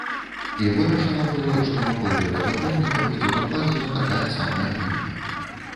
І вырашана было, што вакол гэтага помніка будзе пакладзена такая самая плітка.